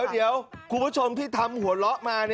เดี๋ยวคุณผู้ชมที่ทำหัวเราะมา